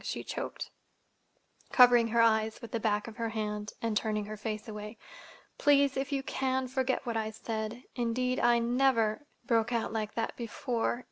she choked, covering her eyes with the back of her hand, and turning her face away. "Please, if you can, forget what I said. Indeed, I never—broke out like that—before.